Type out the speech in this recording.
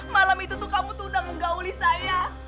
malam itu tuh kamu tuh udah ngegauli saya